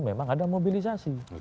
memang ada mobilisasi